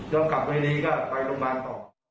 ยอมกลับโดยดีก็ไปโรงพยาบาลต่อ